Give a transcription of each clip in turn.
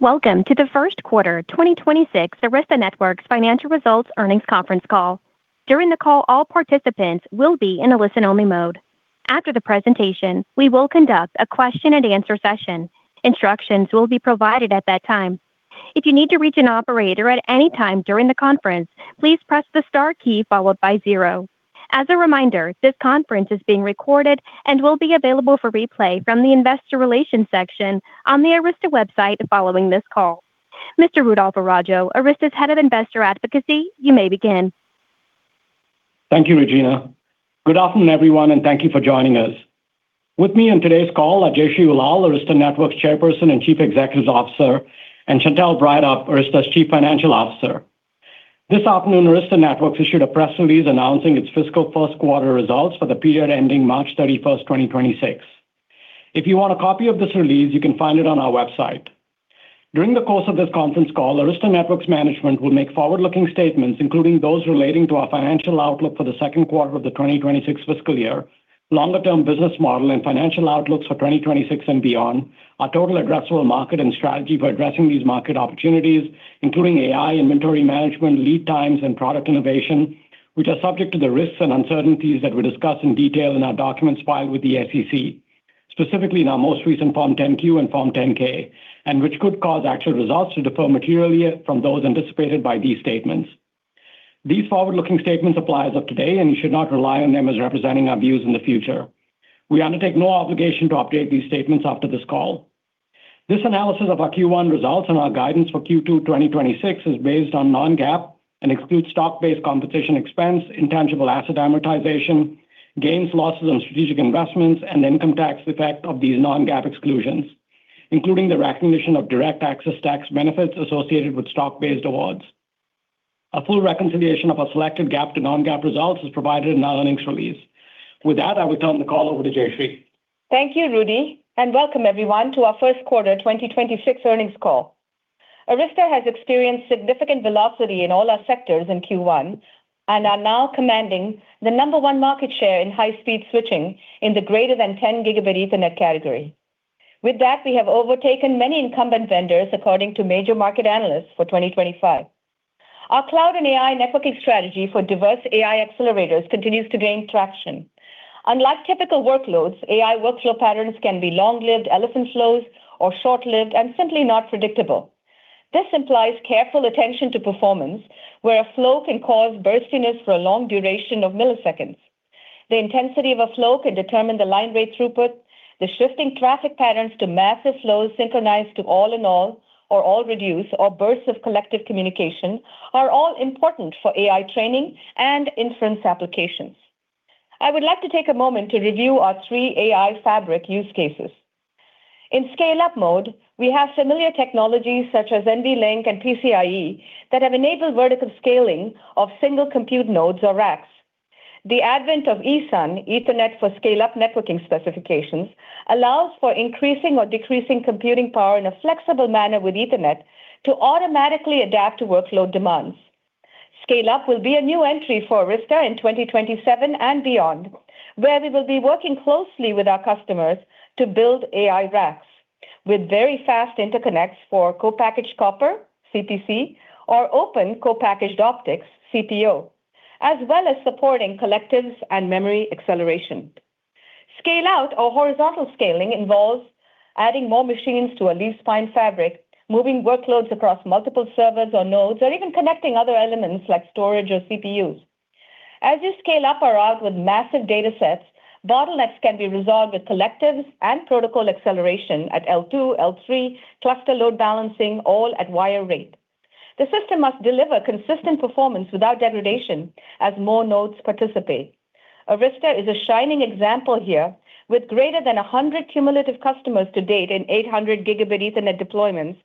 Welcome to the first quarter 2026 Arista Networks financial results earnings conference call. During the call, all participants will be in a listen-only mode. After the presentation, we will conduct a question and answer session. Instructions will be provided at that time. If you need to reach an operator at any time during the conference, please press the star key followed by zero. As a reminder, this conference is being recorded and will be available for replay from the Investor Relations section on the Arista website following this call. Mr. Rudolph Araujo, Arista's Head of Investor Advocacy, you may begin. Thank you, Regina. Good afternoon, everyone, and thank you for joining us. With me on today's call are Jayshree Ullal, Arista Networks Chairperson and Chief Executive Officer, and Chantelle Breithaupt, Arista's Chief Financial Officer. This afternoon, Arista Networks issued a press release announcing its fiscal first quarter results for the period ending March 31st, 2026. If you want a copy of this release, you can find it on our website. During the course of this conference call, Arista Networks management will make forward-looking statements, including those relating to our financial outlook for the second quarter of the 2026 fiscal year, longer term business model and financial outlooks for 2026 and beyond, our total addressable market and strategy for addressing these market opportunities, including AI, inventory management, lead times, and product innovation, which are subject to the risks and uncertainties that we discuss in detail in our documents filed with the SEC, specifically in our most recent Form 10-Q and Form 10-K, and which could cause actual results to differ materially from those anticipated by these statements. These forward-looking statements apply as of today and you should not rely on them as representing our views in the future. We undertake no obligation to update these statements after this call. This analysis of our Q1 results and our guidance for Q2 2026 is based on non-GAAP and excludes stock-based compensation expense, intangible asset amortization, gains, losses on strategic investments, and income tax effect of these non-GAAP exclusions, including the recognition of direct access tax benefits associated with stock-based awards. A full reconciliation of our selected GAAP to non-GAAP results is provided in our earnings release. With that, I would turn the call over to Jayshree. Thank you, Rudy, and welcome everyone to our first quarter 2026 earnings call. Arista has experienced significant velocity in all our sectors in Q1 and are now commanding the number one market share in high-speed switching in the greater than 10 Gb Ethernet category. With that, we have overtaken many incumbent vendors according to major market analysts for 2025. Our cloud and AI networking strategy for diverse AI accelerators continues to gain traction. Unlike typical workloads, AI workflow patterns can be long-lived elephant flows or short-lived and simply not predictable. This implies careful attention to performance, where a flow can cause burstiness for a long duration of milliseconds. The intensity of a flow can determine the line rate throughput. The shifting traffic patterns to massive flows synchronized to all-to-all or all reduce or bursts of collective communication are all important for AI training and inference applications. I would like to take a moment to review our three AI fabric use cases. In scale-up mode, we have familiar technologies such as NVLink and PCIe that have enabled vertical scaling of single compute nodes or racks. The advent of ESUN, Ethernet for Scale-Up Networking specifications, allows for increasing or decreasing computing power in a flexible manner with Ethernet to automatically adapt to workload demands. Scale-up will be a new entry for Arista in 2027 and beyond, where we will be working closely with our customers to build AI racks with very fast interconnects for co-packaged copper, CPC, or open co-packaged optics, CPO, as well as supporting collectives and memory acceleration. Scale-out or horizontal scaling involves adding more machines to a leaf-spine fabric, moving workloads across multiple servers or nodes, or even connecting other elements like storage or CPUs. As you scale up or out with massive datasets, bottlenecks can be resolved with collectives and protocol acceleration at L2, L3, cluster load balancing all at wire rate. The system must deliver consistent performance without degradation as more nodes participate. Arista is a shining example here with greater than 100 cumulative customers to date in 800 GB Ethernet deployments,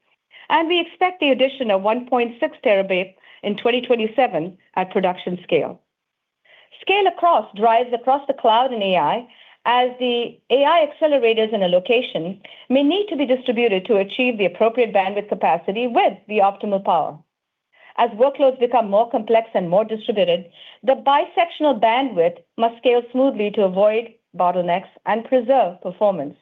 and we expect the addition of 1.6 TB in 2027 at production scale. Scale-across drives across the cloud and AI as the AI accelerators in a location may need to be distributed to achieve the appropriate bandwidth capacity with the optimal power. As workloads become more complex and more distributed, the bisectional bandwidth must scale smoothly to avoid bottlenecks and preserve performance.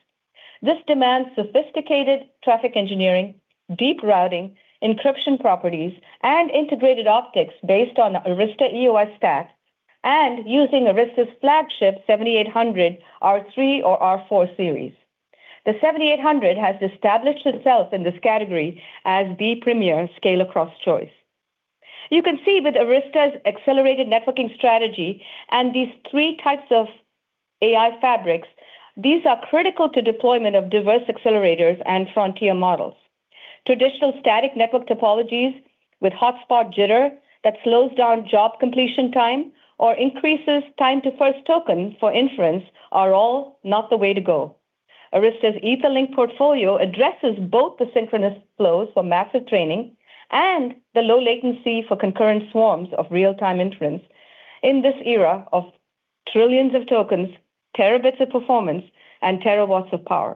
This demands sophisticated traffic engineering, deep routing, encryption properties, and integrated optics based on Arista EOS stacks and using Arista's flagship 7800R3 or 7800R4 series. The 7800 has established itself in this category as the premier scale across choice. You can see with Arista's accelerated networking strategy and these three types of AI fabrics, these are critical to deployment of diverse accelerators and frontier models. Traditional static network topologies with hotspot jitter that slows down job completion time or increases time to first token for inference are all not the way to go. Arista's EtherLink portfolio addresses both the synchronous flows for massive training and the low latency for concurrent swarms of real-time inference in this era of trillions of tokens, terabits of performance, and terawatts of power.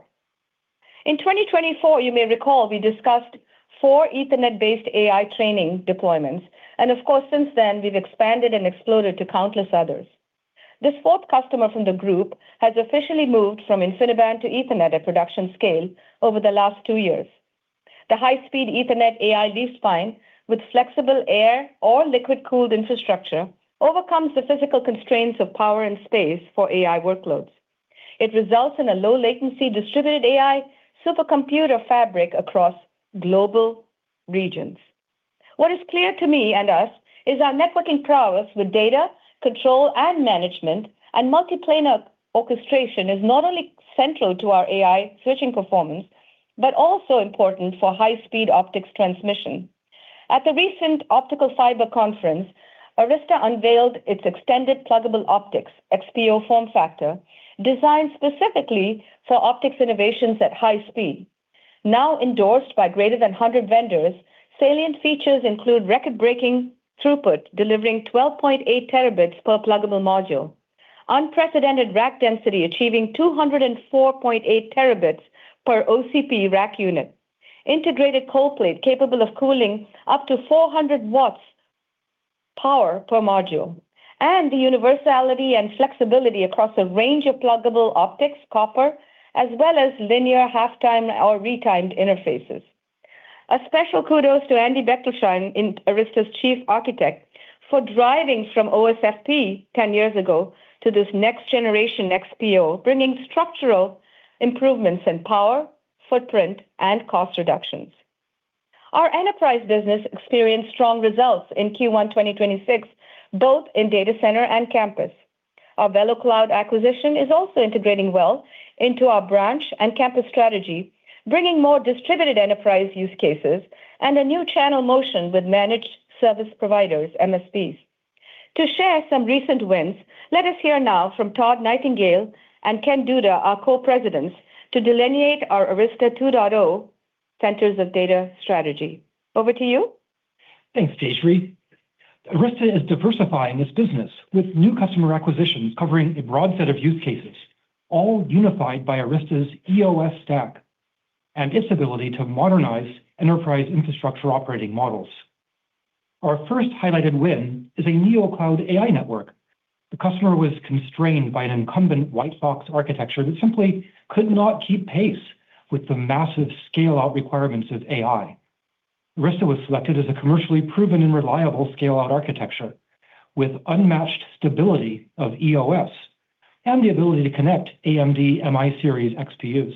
In 2024, you may recall we discussed four Ethernet-based AI training deployments, and of course, since then we've expanded and exploded to countless others. This fourth customer from the group has officially moved from InfiniBand to Ethernet at production scale over the last two years. The high-speed Ethernet AI leaf-spine with flexible air or liquid-cooled infrastructure overcomes the physical constraints of power and space for AI workloads. It results in a low latency distributed AI supercomputer fabric across global regions. What is clear to me and us is our networking prowess with data, control and management, and multiplanar orchestration is not only central to our AI switching performance, but also important for high-speed optics transmission. At the recent Optical Fiber Communication Conference, Arista unveiled its extended pluggable optics, XPO form factor, designed specifically for optics innovations at high speed. Now endorsed by greater than 100 vendors, salient features include record-breaking throughput, delivering 12.8 TB per pluggable module. Unprecedented rack density achieving 204.8 TB per OCP rack unit. Integrated cold plate capable of cooling up to 400 W power per module. The universality and flexibility across a range of pluggable optics copper, as well as linear half-retimed or retimed interfaces. A special kudos to Andy Bechtolsheim, Arista's Chief Architect, for driving from OSFP 10 years ago to this next generation XPO, bringing structural improvements in power, footprint, and cost reductions. Our enterprise business experienced strong results in Q1 2026, both in data center and campus. Our VeloCloud acquisition is also integrating well into our branch and campus strategy, bringing more distributed enterprise use cases and a new channel motion with managed service providers, MSPs. To share some recent wins, let us hear now from Todd Nightingale and Ken Duda, our co-presidents, to delineate our Arista 2.0 centers of data strategy. Over to you. Thanks, Jayshree. Arista is diversifying its business with new customer acquisitions covering a broad set of use cases, all unified by Arista's EOS stack and its ability to modernize enterprise infrastructure operating models. Our first highlighted win is a NeoCloud AI network. The customer was constrained by an incumbent white box architecture that simply could not keep pace with the massive scale-out requirements of AI. Arista was selected as a commercially proven and reliable scale-out architecture with unmatched stability of EOS and the ability to connect AMD MI-series XPUs.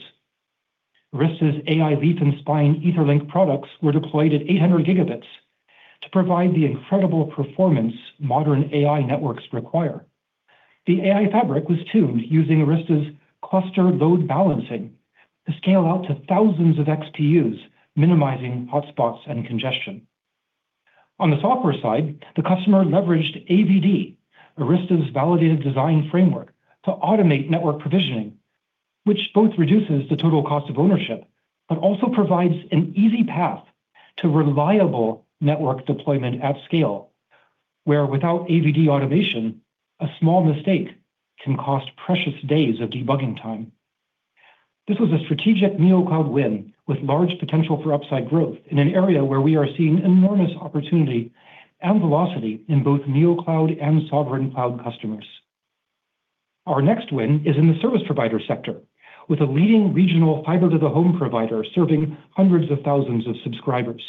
Arista's AI leaf and spine Etherlink products were deployed at 800 Gb to provide the incredible performance modern AI networks require. The AI fabric was tuned using Arista's cluster load balancing to scale out to thousands of XPUs, minimizing hotspots and congestion. On the software side, the customer leveraged AVD, Arista's Validated Design framework, to automate network provisioning, which both reduces the total cost of ownership, but also provides an easy path to reliable network deployment at scale, where without AVD automation, a small mistake can cost precious days of debugging time. This was a strategic NeoCloud win with large potential for upside growth in an area where we are seeing enormous opportunity and velocity in both NeoCloud and Sovereign cloud customers. Our next win is in the service provider sector with a leading regional fiber to the home provider serving hundreds of thousands of subscribers.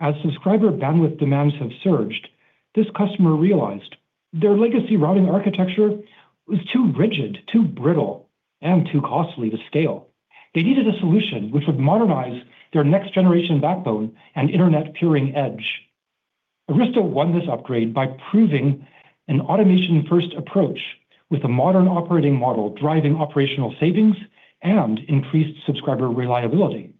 As subscriber bandwidth demands have surged, this customer realized their legacy routing architecture was too rigid, too brittle, and too costly to scale. They needed a solution which would modernize their next generation backbone and internet peering edge. Arista won this upgrade by proving an automation-first approach with a modern operating model driving operational savings and increased subscriber reliability.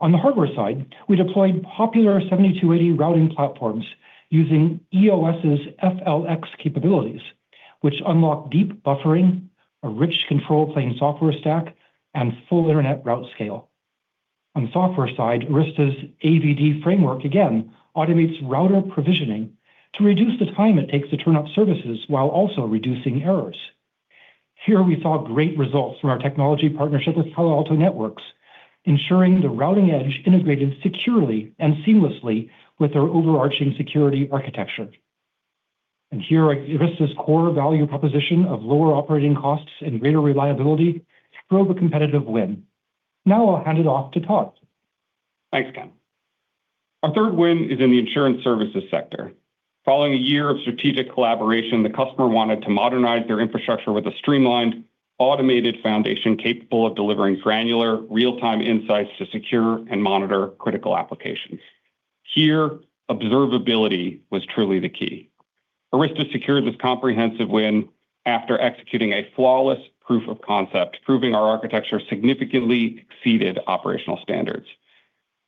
On the hardware side, we deployed popular 7280 routing platforms using EOS's FlexRoute capabilities, which unlock deep buffering, a rich control plane software stack, and full internet route scale. On the software side, Arista's AVD framework again automates router provisioning to reduce the time it takes to turn up services while also reducing errors. Here we saw great results from our technology partnership with Palo Alto Networks, ensuring the routing edge integrated securely and seamlessly with our overarching security architecture. Here, Arista's core value proposition of lower operating costs and greater reliability drove a competitive win. Now I'll hand it off to Todd. Thanks, Ken. Our third win is in the insurance services sector. Following a year of strategic collaboration, the customer wanted to modernize their infrastructure with a streamlined, automated foundation capable of delivering granular real-time insights to secure and monitor critical applications. Here, observability was truly the key. Arista secured this comprehensive win after executing a flawless proof of concept, proving our architecture significantly exceeded operational standards.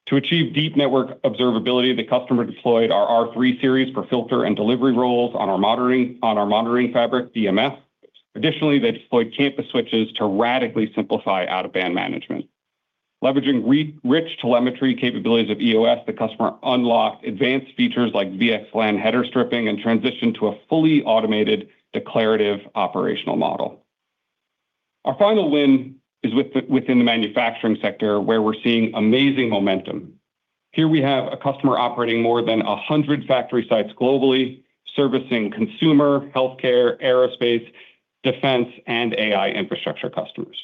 To achieve deep network observability, the customer deployed our R3 series for filter and delivery roles on our monitoring fabric, DMF. Additionally, they deployed campus switches to radically simplify out-of-band management. Leveraging our rich telemetry capabilities of EOS, the customer unlocked advanced features like VXLAN header stripping and transitioned to a fully automated declarative operational model. Our final win is within the manufacturing sector, where we're seeing amazing momentum. Here we have a customer operating more than 100 factory sites globally, servicing consumer, healthcare, aerospace, defense, and AI infrastructure customers.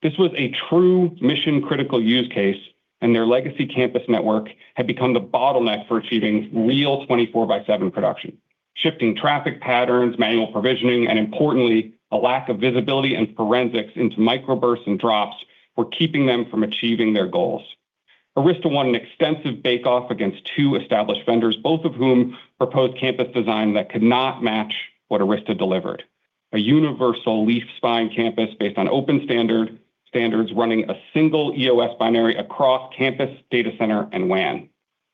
This was a true mission-critical use case, and their legacy campus network had become the bottleneck for achieving real 24/7 production. Shifting traffic patterns, manual provisioning, and importantly, a lack of visibility and forensics into microbursts and drops were keeping them from achieving their goals. Arista won an extensive bake-off against two established vendors, both of whom proposed campus design that could not match what Arista delivered. A universal leaf-spine campus based on open standards running a single EOS binary across campus, data center, and WAN.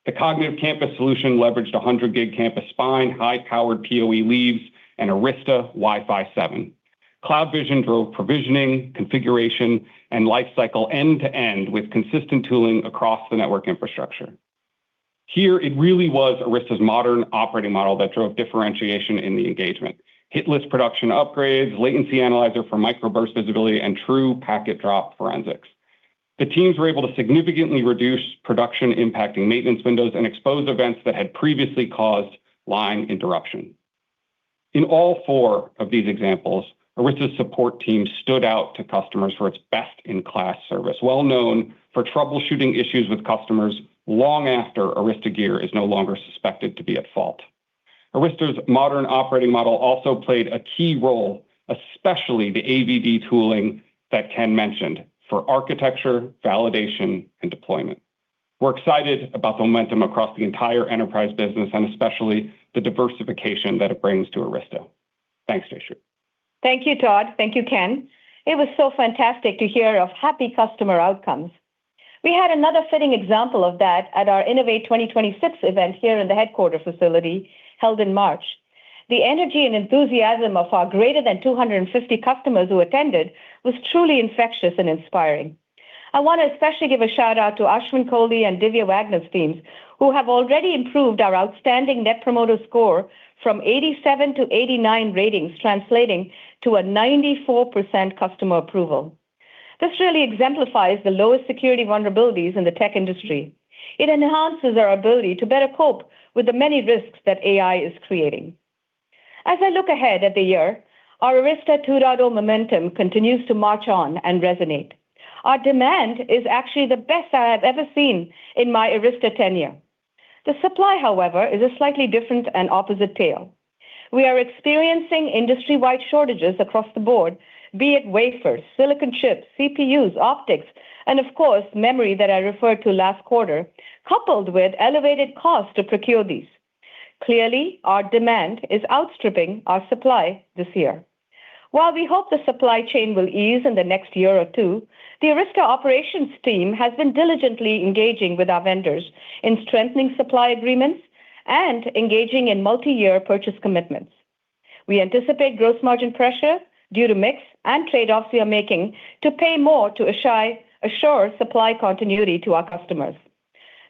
The cognitive campus solution leveraged a 100 Gb campus spine, high-powered PoE leaves, and Arista Wi-Fi 7. CloudVision drove provisioning, configuration, and lifecycle end-to-end with consistent tooling across the network infrastructure. Here it really was Arista's modern operating model that drove differentiation in the engagement. Hit list production upgrades, latency analyzer for microburst visibility, and true packet drop forensics. The teams were able to significantly reduce production impacting maintenance windows and expose events that had previously caused line interruption. In all four of these examples, Arista's support team stood out to customers for its best-in-class service, well known for troubleshooting issues with customers long after Arista gear is no longer suspected to be at fault. Arista's modern operating model also played a key role, especially the AVD tooling that Ken mentioned for architecture, validation, and deployment. We're excited about the momentum across the entire enterprise business and especially the diversification that it brings to Arista. Thanks, Jayshree. Thank you, Todd. Thank you, Ken. It was so fantastic to hear of happy customer outcomes. We had another fitting example of that at our Innovate 2026 event here in the headquarter facility held in March. The energy and enthusiasm of our greater than 250 customers who attended was truly infectious and inspiring. I want to especially give a shout-out to Ashwin Kohli and Dhivya Wagner's teams, who have already improved our outstanding net promoter score from 87 to 89 ratings, translating to a 94% customer approval. This really exemplifies the lowest security vulnerabilities in the tech industry. It enhances our ability to better cope with the many risks that AI is creating. As I look ahead at the year, our Arista 2.0 momentum continues to march on and resonate. Our demand is actually the best I have ever seen in my Arista tenure. The supply, however, is a slightly different and opposite tale. We are experiencing industry-wide shortages across the board, be it wafers, silicon chips, CPUs, optics, and of course, memory that I referred to last quarter, coupled with elevated costs to procure these. Clearly, our demand is outstripping our supply this year. While we hope the supply chain will ease in the next year or two, the Arista operations team has been diligently engaging with our vendors in strengthening supply agreements and engaging in multi-year purchase commitments. We anticipate gross margin pressure due to mix and trade-offs we are making to pay more to assure supply continuity to our customers.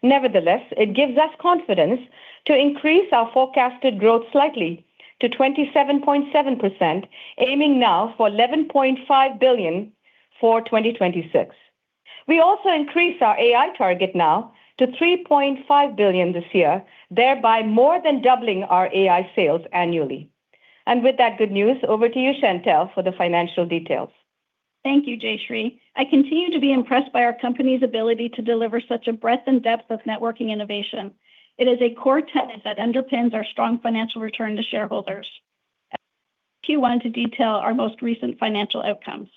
Nevertheless, it gives us confidence to increase our forecasted growth slightly to 27.7%, aiming now for $11.5 billion for 2026. We also increased our AI target now to $3.5 billion this year, thereby more than doubling our AI sales annually. With that good news, over to you, Chantelle, for the financial details. Thank you, Jayshree. I continue to be impressed by our company's ability to deliver such a breadth and depth of networking innovation. It is a core tenet that underpins our strong financial return to shareholders. Q1 to detail our most recent financial outcomes.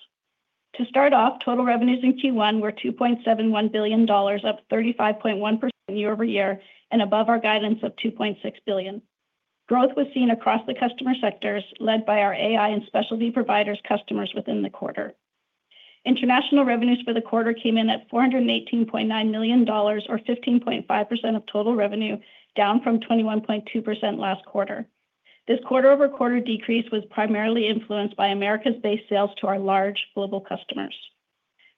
To start off, total revenues in Q1 were $2.71 billion, up 35.1% year-over-year and above our guidance of $2.6 billion. Growth was seen across the customer sectors, led by our AI and specialty providers customers within the quarter. International revenues for the quarter came in at $418.9 million or 15.5% of total revenue, down from 21.2% last quarter. This quarter-over-quarter decrease was primarily influenced by Americas-based sales to our large global customers.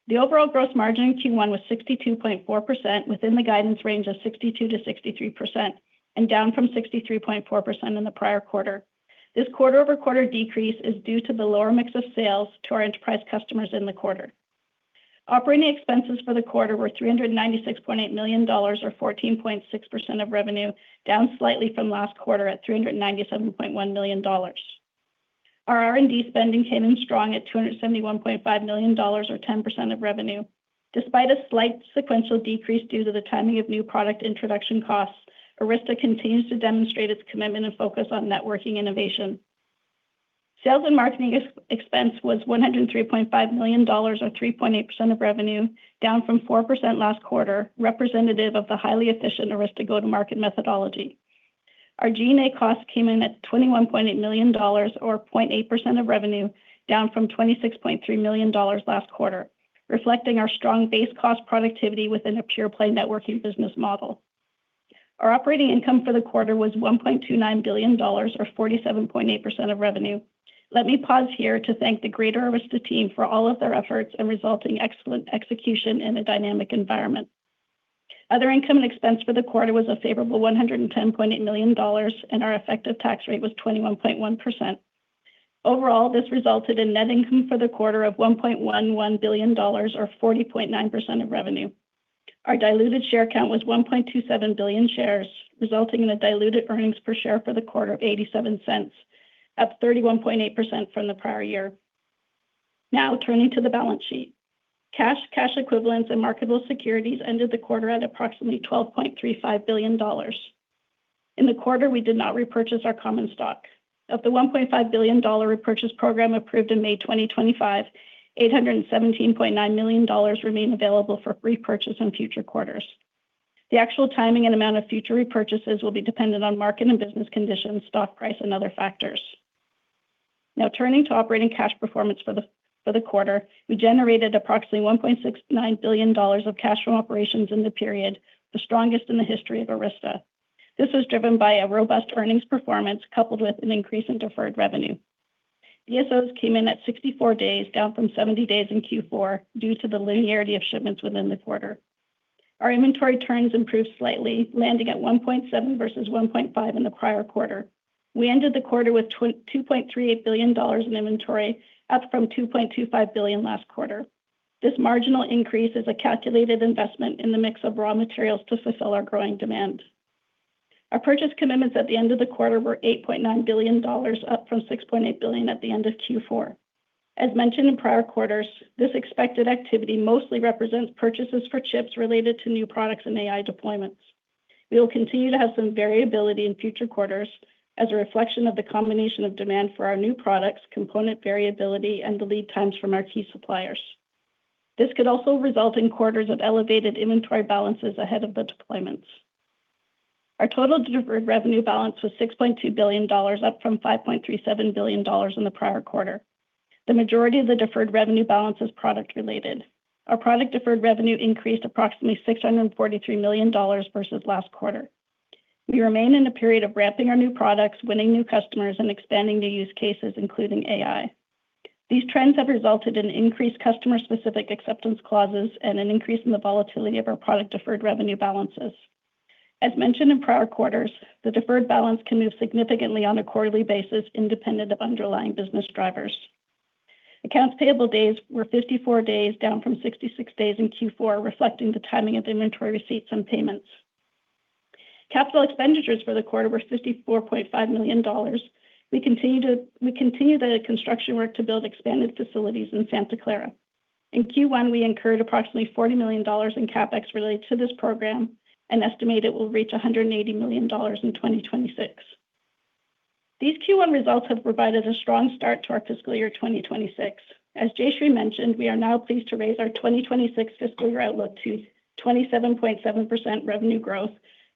The overall gross margin in Q1 was 62.4% within the guidance range of 62%-63% and down from 63.4% in the prior quarter. This quarter-over-quarter decrease is due to the lower mix of sales to our enterprise customers in the quarter. Operating expenses for the quarter were $396.8 million or 14.6% of revenue, down slightly from last quarter at $397.1 million. Our R&D spending came in strong at $271.5 million or 10% of revenue. Despite a slight sequential decrease due to the timing of new product introduction costs, Arista continues to demonstrate its commitment and focus on networking innovation. Sales and marketing expense was $103.5 million or 3.8% of revenue, down from 4% last quarter, representative of the highly efficient Arista go-to-market methodology. Our G&A costs came in at $21.8 million or 0.8% of revenue, down from $26.3 million last quarter, reflecting our strong base cost productivity within a pure play networking business model. Our operating income for the quarter was $1.29 billion or 47.8% of revenue. Let me pause here to thank the greater Arista team for all of their efforts and resulting excellent execution in a dynamic environment. Other income and expense for the quarter was a favorable $110.8 million, and our effective tax rate was 21.1%. Overall, this resulted in net income for the quarter of $1.11 billion or 40.9% of revenue. Our diluted share count was 1.27 billion shares, resulting in a diluted earnings per share for the quarter of $0.87, up 31.8% from the prior year. Now turning to the balance sheet. Cash, cash equivalents, and marketable securities ended the quarter at approximately $12.35 billion. In the quarter, we did not repurchase our common stock. Of the $1.5 billion repurchase program approved in May 2025, $817.9 million remain available for repurchase in future quarters. The actual timing and amount of future repurchases will be dependent on market and business conditions, stock price, and other factors. Now turning to operating cash performance for the quarter. We generated approximately $1.69 billion of cash from operations in the period, the strongest in the history of Arista. This was driven by a robust earnings performance coupled with an increase in deferred revenue. DSOs came in at 64 days, down from 70 days in Q4 due to the linearity of shipments within the quarter. Our inventory turns improved slightly, landing at 1.7 versus 1.5 in the prior quarter. We ended the quarter with $2.38 billion in inventory, up from $2.25 billion last quarter. This marginal increase is a calculated investment in the mix of raw materials to fulfill our growing demand. Our purchase commitments at the end of the quarter were $8.9 billion, up from $6.8 billion at the end of Q4. As mentioned in prior quarters, this expected activity mostly represents purchases for chips related to new products and AI deployments. We will continue to have some variability in future quarters as a reflection of the combination of demand for our new products, component variability, and the lead times from our key suppliers. This could also result in quarters of elevated inventory balances ahead of the deployments. Our total deferred revenue balance was $6.2 billion, up from $5.37 billion in the prior quarter. The majority of the deferred revenue balance is product related. Our product deferred revenue increased approximately $643 million versus last quarter. We remain in a period of ramping our new products, winning new customers, and expanding new use cases, including AI. These trends have resulted in increased customer specific acceptance clauses and an increase in the volatility of our product deferred revenue balances. As mentioned in prior quarters, the deferred balance can move significantly on a quarterly basis independent of underlying business drivers. Accounts payable days were 54 days, down from 66 days in Q4, reflecting the timing of inventory receipts and payments. Capital expenditures for the quarter were $54.5 million. We continue the construction work to build expanded facilities in Santa Clara. In Q1, we incurred approximately $40 million in CapEx related to this program and estimate it will reach $180 million in 2026. These Q1 results have provided a strong start to our fiscal year 2026. As Jayshree mentioned, we are now pleased to raise our 2026 fiscal year outlook to 27.7% revenue growth,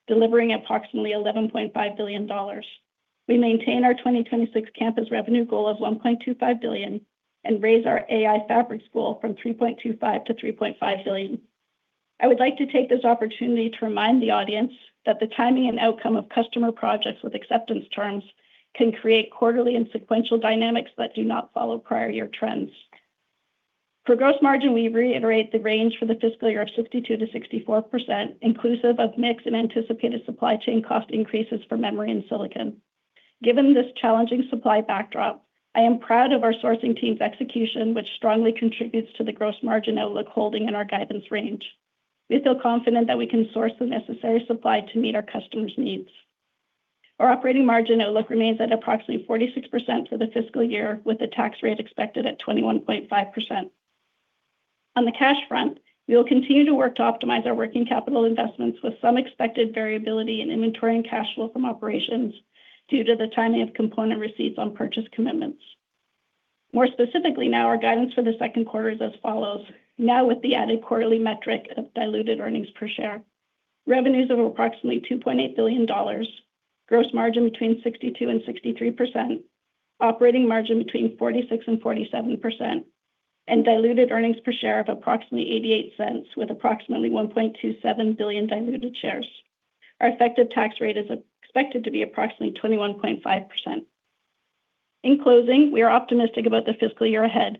delivering approximately $11.5 billion. We maintain our 2026 campus revenue goal of $1.25 billion and raise our AI fabrics goal from $3.25 billion-$3.5 billion. I would like to take this opportunity to remind the audience that the timing and outcome of customer projects with acceptance terms can create quarterly and sequential dynamics that do not follow prior year trends. For gross margin, we reiterate the range for the fiscal year of 62%-64%, inclusive of mix and anticipated supply chain cost increases for memory and silicon. Given this challenging supply backdrop, I am proud of our sourcing team's execution, which strongly contributes to the gross margin outlook holding in our guidance range. We feel confident that we can source the necessary supply to meet our customers' needs. Our operating margin outlook remains at approximately 46% for the fiscal year, with the tax rate expected at 21.5%. On the cash front, we will continue to work to optimize our working capital investments with some expected variability in inventory and cash flow from operations due to the timing of component receipts on purchase commitments. More specifically now, our guidance for the second quarter is as follows. Now with the added quarterly metric of diluted earnings per share. Revenues of approximately $2.8 billion. Gross margin between 62% and 63%. Operating margin between 46% and 47%. Diluted earnings per share of approximately $0.88 with approximately 1.27 billion diluted shares. Our effective tax rate is expected to be approximately 21.5%. In closing, we are optimistic about the fiscal year ahead.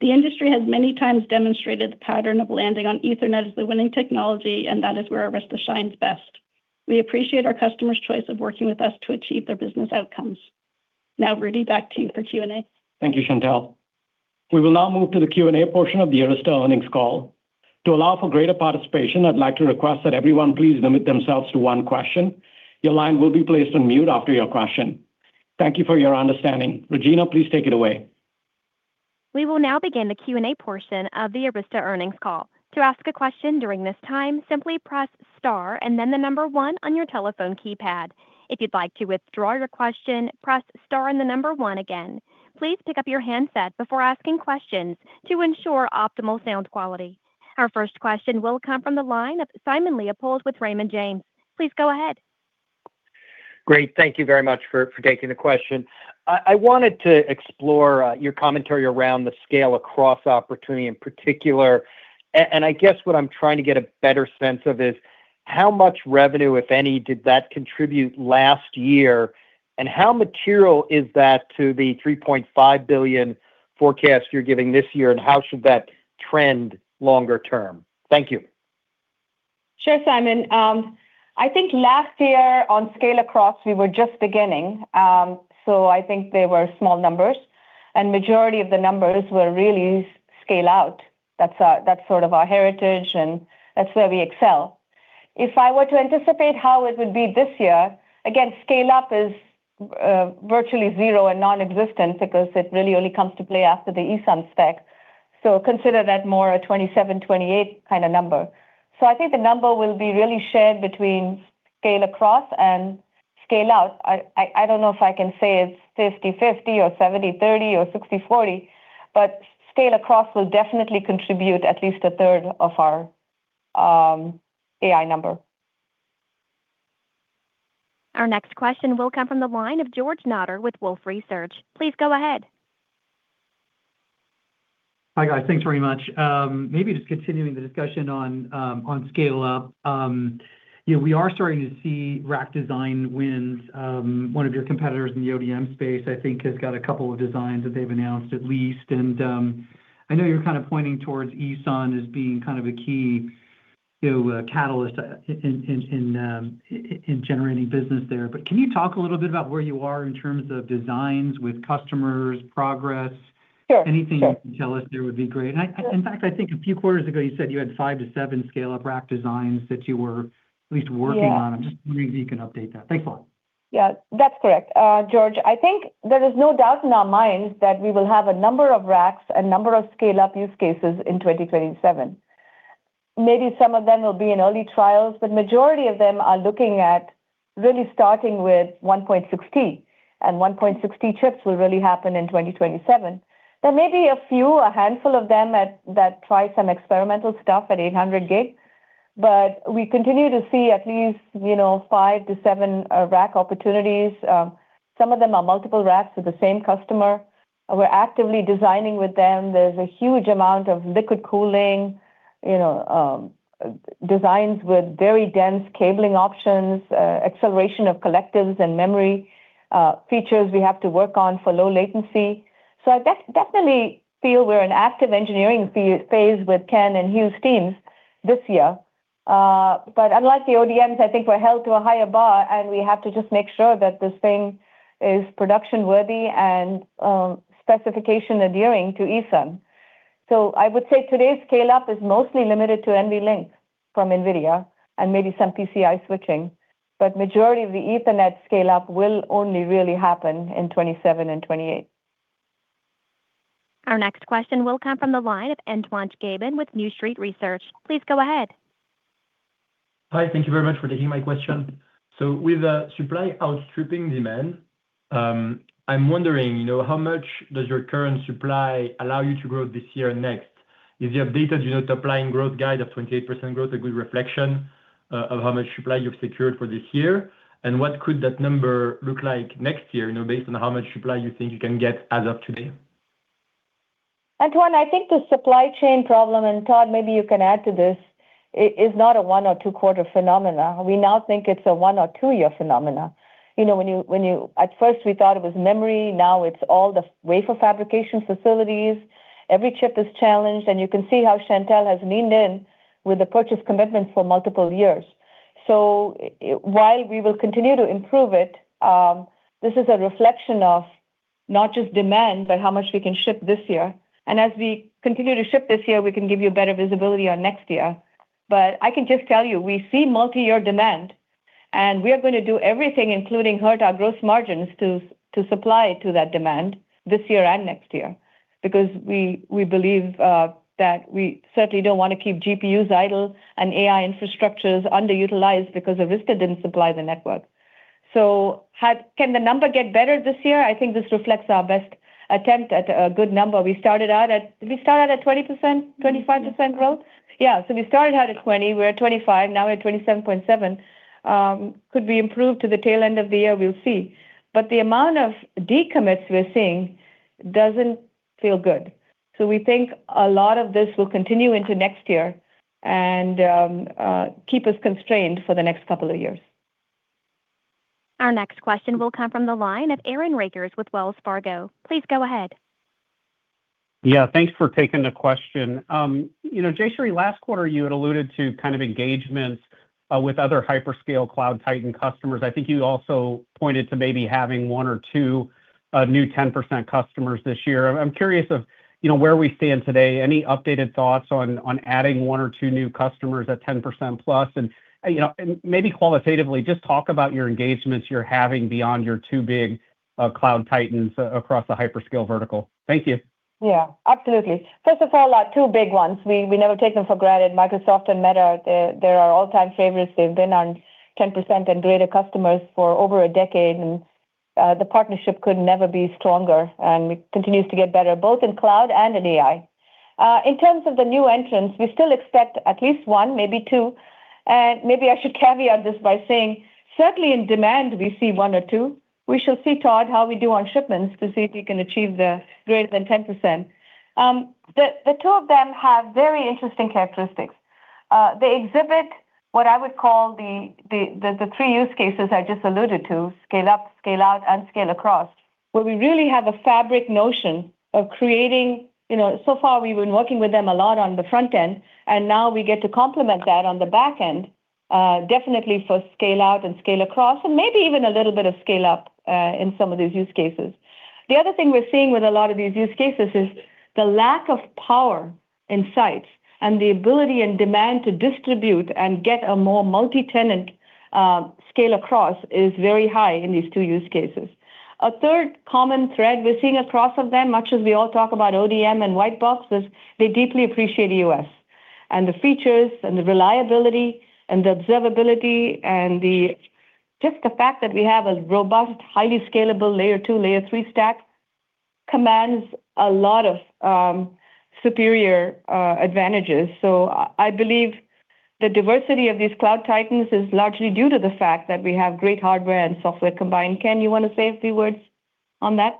The industry has many times demonstrated the pattern of landing on Ethernet as the winning technology, and that is where Arista shines best. We appreciate our customers' choice of working with us to achieve their business outcomes. Now, Rudy, back to you for Q&A. Thank you, Chantelle. We will now move to the Q&A portion of the Arista earnings call. To allow for greater participation, I'd like to request that everyone please limit themselves to one question. Your line will be placed on mute after your question. Thank you for your understanding. Regina, please take it away. We will now begin the Q&A portion of the Arista earnings call. To ask a question during this time, simply press star and then the number one on your telephone keypad. If you'd like to withdraw your question, press star and the number one again. Please pick up your handset before asking questions to ensure optimal sound quality. Our first question will come from the line of Simon Leopold with Raymond James. Please go ahead. Great. Thank you very much for taking the question. I wanted to explore your commentary around the scale across opportunity in particular. I guess what I'm trying to get a better sense of is how much revenue, if any, did that contribute last year? How material is that to the $3.5 billion forecast you're giving this year, and how should that trend longer term? Thank you. Sure, Simon. I think last year on scale across, we were just beginning. I think they were small numbers, and majority of the numbers were really scale out. That's sort of our heritage, and that's where we excel. If I were to anticipate how it would be this year, again, scale-up is virtually zero and nonexistent because it really only comes to play after the ESON spec. Consider that more a 27, 28 kind of number. I think the number will be really shared between scale across and scale out. I don't know if I can say it's 50/50 or 70/30 or 60/40, but scale across will definitely contribute at least a third of our AI number. Our next question will come from the line of George Notter with Wolfe Research. Please go ahead. Hi, guys. Thanks very much. Maybe just continuing the discussion on scale up. You know, we are starting to see rack design wins. One of your competitors in the ODM space, I think, has got a couple of designs that they've announced at least. I know you're kind of pointing towards ESON as being kind of a key, you know, catalyst in generating business there. But can you talk a little bit about where you are in terms of designs with customers, progress? Sure. Anything you can tell us there would be great. In fact, I think a few quarters ago you said you had five to seven scale-up rack designs that you were at least working on. Yeah. I'm just wondering if you can update that. Thanks a lot. Yeah. That's correct. George, I think there is no doubt in our minds that we will have a number of racks, a number of scale-up use cases in 2027. Maybe some of them will be in early trials, but majority of them are looking at really starting with 160, and 160 chips will really happen in 2027. There may be a few, a handful of them that try some experimental stuff at 800 Gb, but we continue to see at least, you know, five to seven rack opportunities. Some of them are multiple racks with the same customer. We're actively designing with them. There's a huge amount of liquid cooling, you know, designs with very dense cabling options, acceleration of collectives and memory, features we have to work on for low latency. I definitely feel we're in active engineering phase with Ken and Hugh's teams this year. Unlike the ODMs, I think we're held to a higher bar, and we have to just make sure that this thing is production-worthy and specification adhering to ESUN. I would say today's scale-up is mostly limited to NVLink from Nvidia and maybe some PCIe switching. Majority of the Ethernet scale-up will only really happen in 2027 and 2028. Our next question will come from the line of Antoine Chkaiban with New Street Research. Please go ahead. Hi. Thank you very much for taking my question. With the supply outstripping demand, I'm wondering, you know, how much does your current supply allow you to grow this year and next? Is the updated, you know, top-line growth guide of 28% growth a good reflection, of how much supply you've secured for this year? What could that number look like next year, you know, based on how much supply you think you can get as of today? Antoine, I think the supply chain problem, and Todd maybe you can add to this, is not a one or two quarter phenomena. We now think it's a one or two year phenomena. You know, at first we thought it was memory, now it's all the wafer fabrication facilities. Every chip is challenged, and you can see how Chantelle has leaned in with the purchase commitment for multiple years. While we will continue to improve it, this is a reflection of not just demand, but how much we can ship this year. As we continue to ship this year, we can give you better visibility on next year. I can just tell you, we see multi-year demand, and we are gonna do everything, including hurt our gross margins to supply to that demand this year and next year. Because we believe that we certainly don't wanna keep GPUs idle and AI infrastructures underutilized because Arista didn't supply the network. Can the number get better this year? I think this reflects our best attempt at a good number. We started out at—Did we start out at 20%, 25% growth? Yeah. We started out at 20%, we're at 25%, now we're at 27.7%. Could we improve to the tail end of the year? We'll see. The amount of decommits we're seeing doesn't feel good. We think a lot of this will continue into next year and keep us constrained for the next couple of years. Our next question will come from the line of Aaron Rakers with Wells Fargo. Please go ahead. Yeah. Thanks for taking the question. You know, Jayshree, last quarter you had alluded to kind of engagements with other hyperscale cloud titan customers. I think you also pointed to maybe having one or two new 10% customers this year. I'm curious of, you know, where we stand today. Any updated thoughts on adding one or two new customers at 10% plus? You know, maybe qualitatively just talk about your engagements you're having beyond your two big cloud titans across the hyperscale vertical. Thank you. Yeah. Absolutely. First of all, our two big ones, we never take them for granted. Microsoft and Meta, they're our all-time favorites. They've been our 10% and greater customers for over a decade, and the partnership could never be stronger, and it continues to get better, both in cloud and in AI. In terms of the new entrants, we still expect at least one, maybe two. Maybe I should caveat this by saying certainly in demand we see one or two. We shall see, Todd, how we do on shipments to see if we can achieve the greater than 10%. The two of them have very interesting characteristics. They exhibit what I would call the three use cases I just alluded to, scale up, scale out, and scale across, where we really have a fabric notion of creating. You know, so far we've been working with them a lot on the front end, and now we get to complement that on the back end, definitely for scale out and scale across, and maybe even a little bit of scale up, in some of these use cases. The other thing we're seeing with a lot of these use cases is the lack of power in sites, and the ability and demand to distribute and get a more multi-tenant, scale across is very high in these two use cases. A third common thread we're seeing across all of them, much as we all talk about ODM and white boxes, they deeply appreciate EOS and the features and the reliability and the observability and just the fact that we have a robust, highly scalable layer two, layer three stack commands a lot of superior advantages. I believe the diversity of these cloud titans is largely due to the fact that we have great hardware and software combined. Ken, you want to say a few words on that?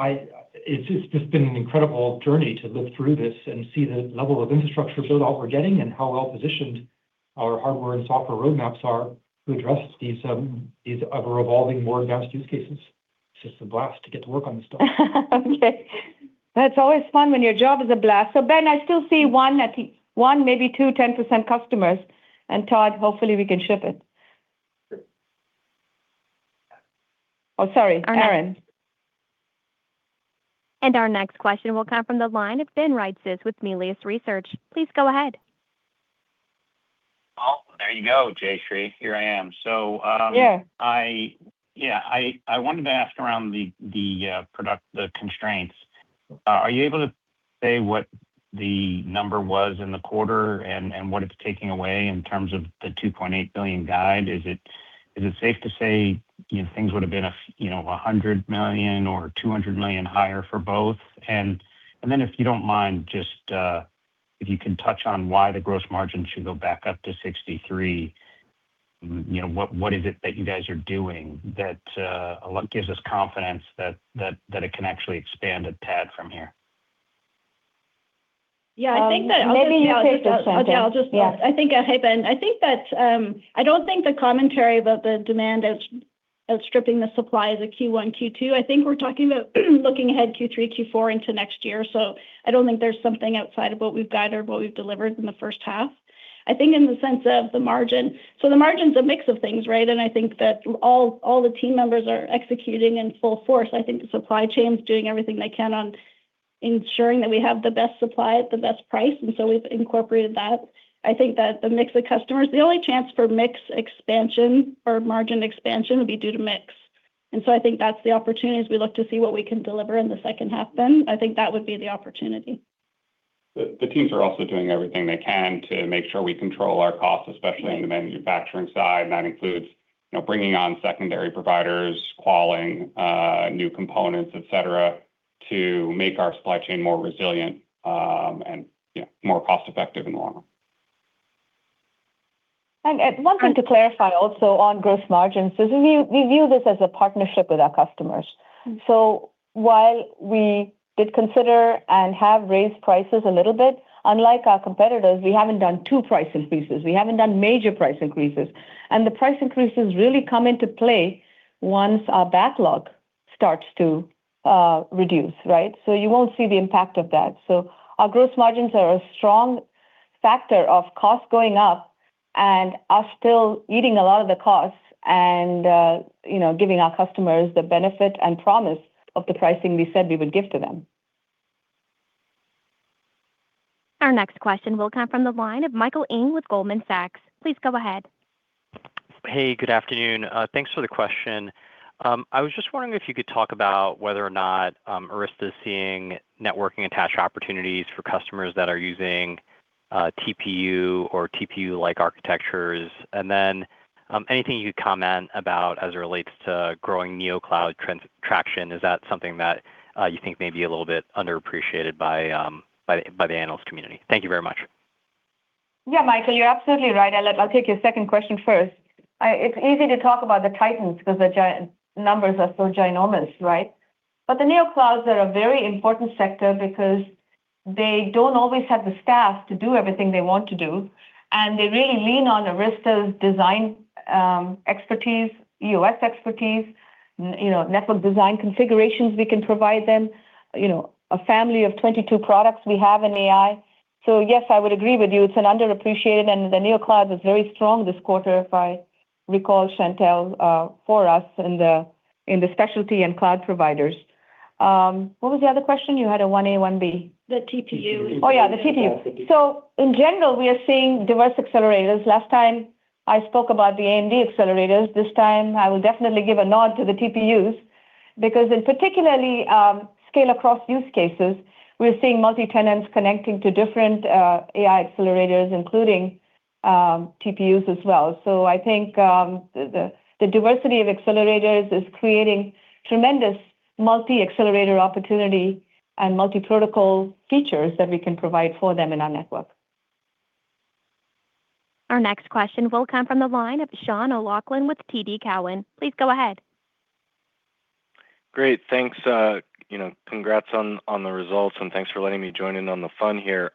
It's just been an incredible journey to live through this and see the level of infrastructure build out we're getting and how well-positioned our hardware and software roadmaps are to address these ever-evolving, more advanced use cases. It's just a blast to get to work on this stuff. That's always fun when your job is a blast. Ben, I still see one, I think one, maybe two, 10% customers. Todd, hopefully we can ship it. Sure. Oh, sorry. Ita. Our next question will come from the line of Ben Reitzes with Melius Research. Please go ahead. Oh, there you go, Jayshree. Here I am. Yeah. I, yeah, I wanted to ask around the product, the constraints. Are you able to say what the number was in the quarter and what it's taking away in terms of the $2.8 billion guide? Is it safe to say, you know, things would have been, you know, $100 million or $200 million higher for both? Then if you don't mind, just, if you can touch on why the gross margin should go back up to 63%. You know, what is it that you guys are doing that, what gives us confidence that it can actually expand a tad from here? Yeah, I think that. Maybe you take this one, Chantelle. Okay, I'll just- Yeah. Hey, Ben. I think that I don't think the commentary about the demand outstripping the supply is a Q1, Q2. I think we're talking about looking ahead Q3, Q4 into next year. I don't think there's something outside of what we've guided or what we've delivered in the first half. I think in the sense of the margin, the margin's a mix of things, right? I think that all the team members are executing in full force. I think the supply chain's doing everything they can on ensuring that we have the best supply at the best price, we've incorporated that. I think that the mix of customers, the only chance for mix expansion or margin expansion would be due to mix. I think that's the opportunity as we look to see what we can deliver in the second half, Ben. I think that would be the opportunity. The teams are also doing everything they can to make sure we control our costs, especially on the manufacturing side. That includes, you know, bringing on secondary providers, qualifying new components, et cetera, to make our supply chain more resilient, and more cost-effective in the long run. One thing to clarify also on gross margins is we view this as a partnership with our customers. While we did consider and have raised prices a little bit, unlike our competitors, we haven't done two price increases. We haven't done major price increases. The price increases really come into play once our backlog starts to reduce, right? You won't see the impact of that. Our gross margins are a strong factor of cost going up and us still eating a lot of the costs and you know, giving our customers the benefit and promise of the pricing we said we would give to them. Our next question will come from the line of Michael Ng with Goldman Sachs. Please go ahead. Hey, good afternoon. Thanks for the question. I was just wondering if you could talk about whether or not Arista's seeing networking attach opportunities for customers that are using TPU or TPU-like architectures. Then, anything you could comment about as it relates to growing NeoCloud traction. Is that something that you think may be a little bit underappreciated by the analyst community? Thank you very much. Michael, you're absolutely right. I'll take your second question first. It's easy to talk about the titans 'cause the numbers are so ginormous, right? The NeoClouds are a very important sector because they don't always have the staff to do everything they want to do, and they really lean on Arista's design expertise, EOS expertise, you know, network design configurations we can provide them. You know, a family of 22 products we have in AI. Yes, I would agree with you. It's an underappreciated, the NeoCloud was very strong this quarter, if I recall Chantelle, for us in the, in the specialty and cloud providers. What was the other question? You had a 1A, 1B. The TPU. Oh, yeah, the TPU. In general, we are seeing diverse accelerators. Last time I spoke about the AMD accelerators. This time I will definitely give a nod to the TPUs, because in particular, scale across use cases, we're seeing multi-tenants connecting to different AI accelerators, including TPUs as well. I think the diversity of accelerators is creating tremendous multi-accelerator opportunity and multi-protocol features that we can provide for them in our network. Our next question will come from the line of Sean O'Loughlin with TD Cowen. Please go ahead. Great, thanks. You know, congrats on the results, and thanks for letting me join in on the fun here.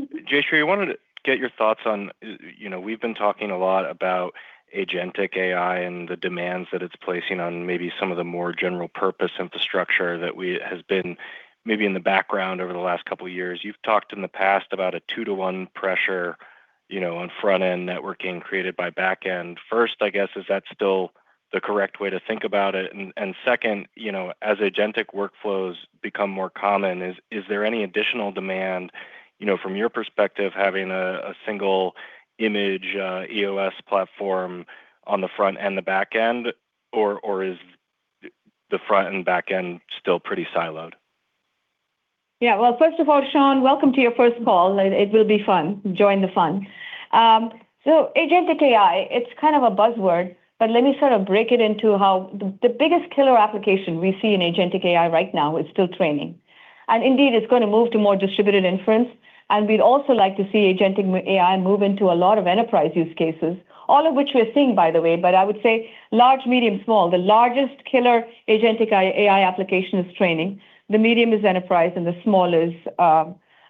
Jayshree, wanted to get your thoughts on, you know, we've been talking a lot about agentic AI and the demands that it's placing on maybe some of the more general purpose infrastructure that we've had in the background over the last couple years. You've talked in the past about a two to one pressure, you know, on front-end networking created by back end. First, I guess, is that still the correct way to think about it? Second, you know, as agentic workflows become more common, is there any additional demand, you know, from your perspective having a single-image EOS platform on the front and the back end, or is the front and back end still pretty siloed? Yeah. Well, first of all, Sean, welcome to your first call. It will be fun. Join the fun. agentic AI, it's kind of a buzzword, but let me sort of break it into how The biggest killer application we see in agentic AI right now is still training. Indeed, it's gonna move to more distributed inference, and we'd also like to see agentic AI move into a lot of enterprise use cases, all of which we are seeing, by the way. I would say large, medium, small. The largest killer agentic AI application is training, the medium is enterprise, and the small is,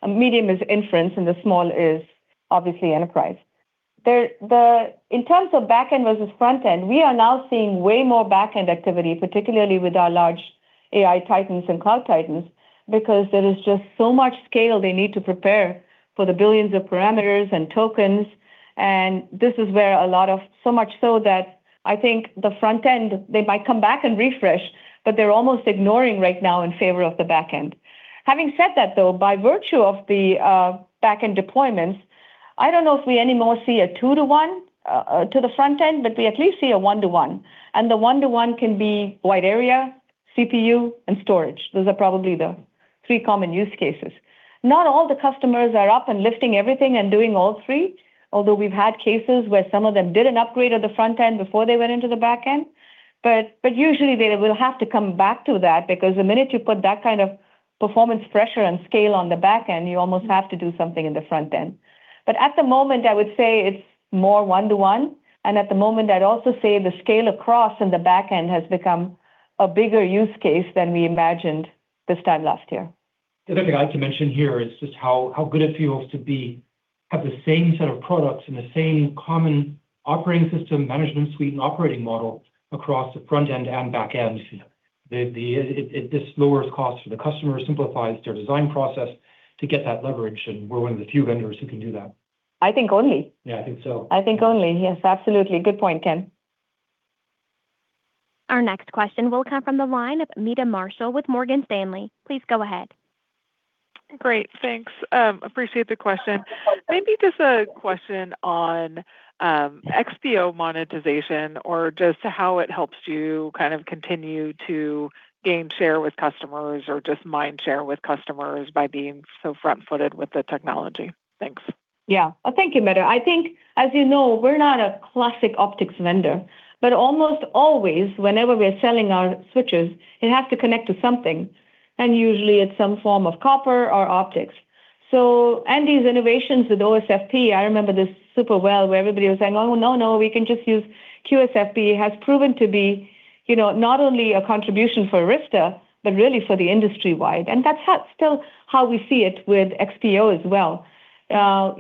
medium is inference, and the small is obviously enterprise. In terms of back end versus front end, we are now seeing way more back end activity, particularly with our large AI titans and cloud titans, because there is just so much scale they need to prepare for the billions of parameters and tokens, this is where a lot of so much so that I think the front end, they might come back and refresh, they're almost ignoring right now in favor of the back end. Having said that, though, by virtue of the back end deployments, I don't know if we anymore see a one to one to the front end, we at least see a one to one, the one to one can be wide area, CPU, and storage. Those are probably the three common use cases. Not all the customers are up and lifting everything and doing all three, although we've had cases where some of them did an upgrade at the front end before they went into the back end, but usually they will have to come back to that because the minute you put that kind of performance pressure and scale on the back end, you almost have to do something in the front end. At the moment, I would say it's more one to one, and at the moment I'd also say the scale across in the back end has become a bigger use case than we imagined this time last year. The other thing I'd like to mention here is just how good it feels to have the same set of products and the same common operating system management suite and operating model across the front end and back end. This lowers cost for the customer, simplifies their design process to get that leverage, and we're one of the few vendors who can do that. I think only. Yeah, I think so. I think only. Yes, absolutely. Good point, Ken. Our next question will come from the line of Meta Marshall with Morgan Stanley. Please go ahead. Great, thanks. appreciate the question. Maybe just a question on XPO monetization or just how it helps you kind of continue to gain share with customers or just mind share with customers by being so front-footed with the technology. Thanks. Thank you, Meta. I think, as you know, we're not a classic optics vendor, but almost always whenever we're selling our switches, it has to connect to something, and usually it's some form of copper or optics. Andy's innovations with OSFP, I remember this super well, where everybody was saying, "Oh, no, we can just use QSFP," has proven to be, you know, not only a contribution for Arista, but really for the industry wide, and that's still how we see it with XPO as well.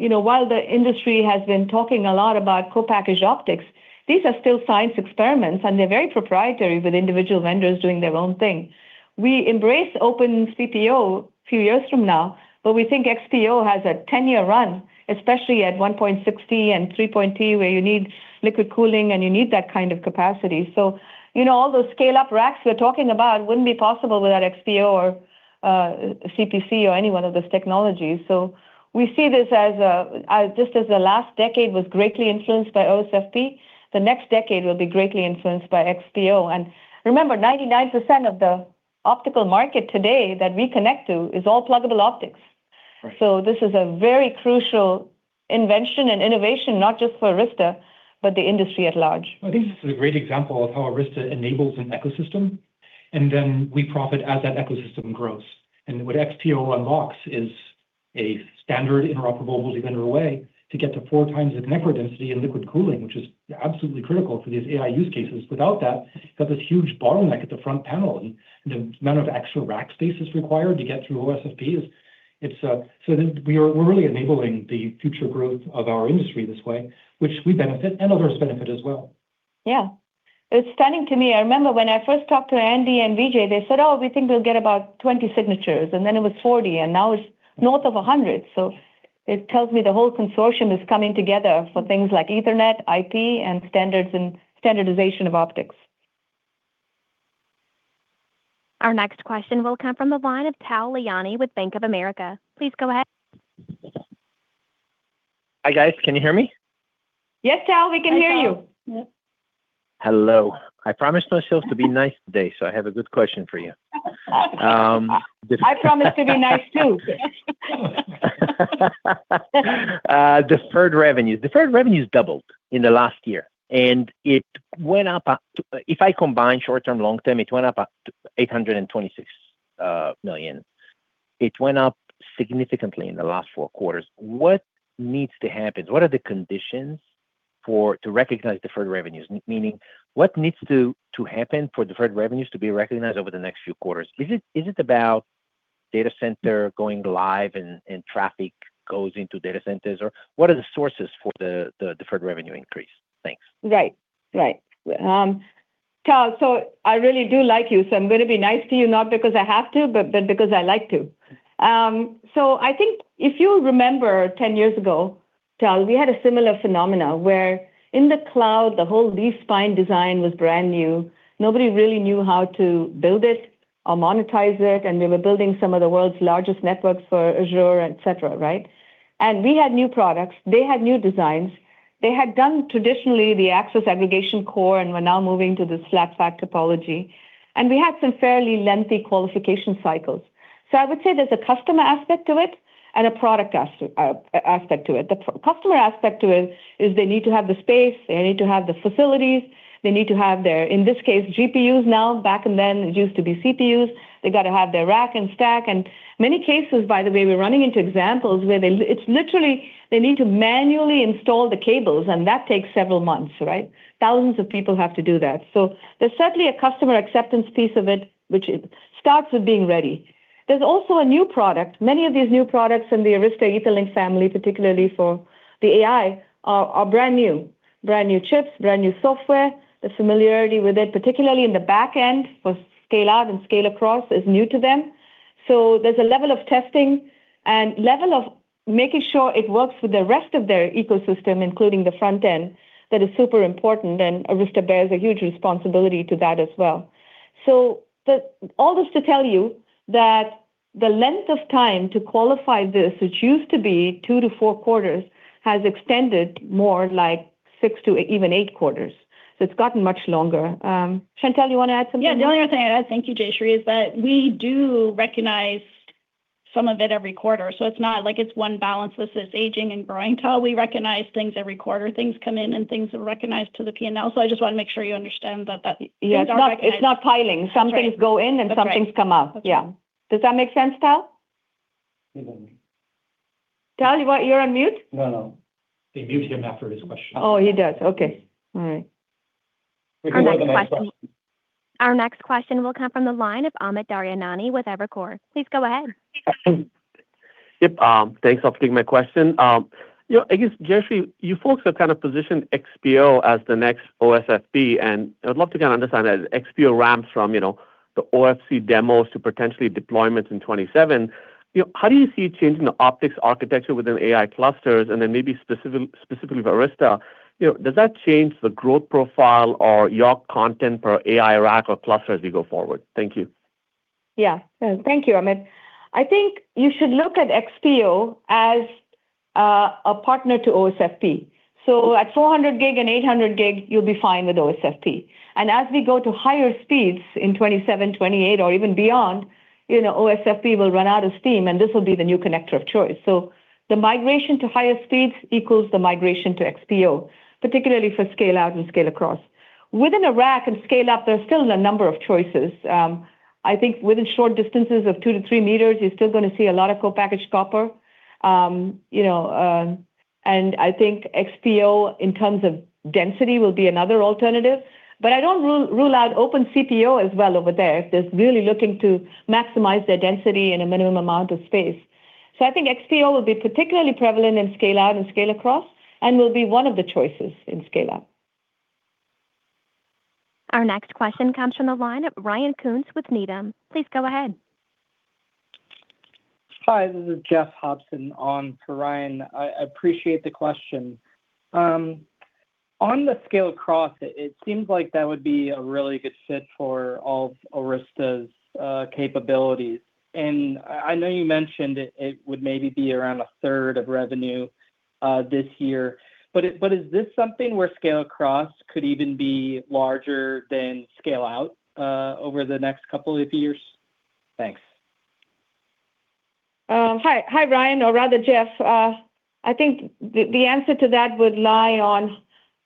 You know, while the industry has been talking a lot about co-package optics, these are still science experiments and they're very proprietary with individual vendors doing their own thing. We embrace open CPO few years from now, but we think XPO has a 10-year run, especially at 1.60 and 3T where you need liquid cooling and you need that kind of capacity. You know, all those scale-up racks we're talking about wouldn't be possible without XPO or CPC or any one of those technologies. We see this as just as the last decade was greatly influenced by OSFP, the next decade will be greatly influenced by XPO. Remember, 99% of the optical market today that we connect to is all pluggable optics. Right. This is a very crucial invention and innovation, not just for Arista, but the industry at large. I think this is a great example of how Arista enables an ecosystem, and then we profit as that ecosystem grows. What XPO unlocks is a standard interoperable multi-vendor way to get to 4x the network density and liquid cooling, which is absolutely critical for these AI use cases. Without that, you've got this huge bottleneck at the front panel, and the amount of extra rack space is required to get through OSFPs. It's. We're really enabling the future growth of our industry this way, which we benefit and others benefit as well. Yeah. It's stunning to me. I remember when I first talked to Andy and Vijay, they said, "Oh, we think we'll get about 20 signatures," and then it was 40, and now it's north of 100. It tells me the whole consortium is coming together for things like Ethernet, IP, and standards and standardization of optics. Our next question will come from the line of Tal Liani with Bank of America. Please go ahead. Hi, guys. Can you hear me? Yes, Tal, we can hear you. Hi, Tal. Yep. Hello. I promised myself to be nice today, so I have a good question for you. I promise to be nice too. Deferred revenues doubled in the last year, and it went up. If I combine short-term, long-term, it went up $826 million. It went up significantly in the last four quarters. What needs to happen? What are the conditions for to recognize deferred revenues? Meaning what needs to happen for deferred revenues to be recognized over the next few quarters? Is it about data center going live and traffic goes into data centers? Or what are the sources for the deferred revenue increase? Thanks. Right. Right. Tal, I really do like you, so I'm gonna be nice to you not because I have to, but because I like to. I think if you remember 10 years ago, Tal, we had a similar phenomenon where in the cloud, the whole leaf-spine design was brand new. Nobody really knew how to build it or monetize it, and we were building some of the world's largest networks for Azure, etc, right? We had new products. They had new designs. They had done traditionally the access aggregation core and were now moving to the Clos fabric topology. We had some fairly lengthy qualification cycles. I would say there's a customer aspect to it and a product aspect to it. The customer aspect to it is they need to have the space, they need to have the facilities, they need to have their, in this case, GPUs now. Back and then it used to be CPUs. They gotta have their rack and stack. Many cases, by the way, we're running into examples where it's literally they need to manually install the cables, and that takes several months, right? Thousands of people have to do that. There's certainly a customer acceptance piece of it, which it starts with being ready. There's also a new product. Many of these new products in the Arista Etherlink family, particularly for the AI, are brand new. Brand new chips, brand new software. The familiarity with it, particularly in the back end for scale-out and scale-across, is new to them. There's a level of testing and level of making sure it works with the rest of their ecosystem, including the front end. That is super important, and Arista bears a huge responsibility to that as well. All this to tell you that the length of time to qualify this, which used to be two to four quarters, has extended more like six to even eight quarters. It's gotten much longer. Chantelle, you want to add something there? Yeah. The only other thing I'd add, thank you, Jayshree, is that we do recognize some of it every quarter. It's not like it's one balance. This is aging and growing. Tal, we recognize things every quarter. Things come in and things are recognized to the P&L. I just want to make sure you understand that things are recognized. Yeah. It's not piling. That's right. Some things go in and some things come out. That's right. Okay. Yeah. Does that make sense, Tal? It does. Tal, you're on mute? No, no. They muted him after his question. Oh, he does. Okay. All right. We can wait till the next one. Our next question will come from the line of Amit Daryanani with Evercore ISI. Please go ahead. Yep, thanks for taking my question. You know, I guess, Jayshree, you folks have kind of positioned XPO as the next OSFP, and I would love to kind of understand that as XPO ramps from, you know, the OFC demos to potentially deployments in 2027. You know, how do you see change in the optics architecture within AI clusters and then maybe specifically for Arista? You know, does that change the growth profile or your content per AI rack or cluster as we go forward? Thank you. Yeah. No, thank you, Amit. I think you should look at XPO as a partner to OSFP. At 400 Gb and 800 Gb, you'll be fine with OSFP. As we go to higher speeds in 2027, 2028 or even beyond, you know, OSFP will run out of steam, and this will be the new connector of choice. The migration to higher speeds equals the migration to XPO, particularly for scale-out and scale-across. Within a rack and scale-up, there's still a number of choices. I think within short distances of 2 m-3 m, you're still gonna see a lot of co-packaged copper. I think XPO in terms of density will be another alternative. I don't rule out open CPO as well over there if they're really looking to maximize their density in a minimum amount of space. I think XPO will be particularly prevalent in scale-out and scale-across, and will be one of the choices in scale-up. Our next question comes from the line of Ryan Koontz with Needham. Please go ahead. Hi, this is Jeff Hobson on for Ryan. I appreciate the question. On the scale-across, it seems like that would be a really good fit for all of Arista's capabilities. I know you mentioned it would maybe be around a third of revenue this year. Is this something where scale-across could even be larger than scale-out over the next couple of years? Thanks. Hi, Ryan, or rather Jeff. I think the answer to that would lie on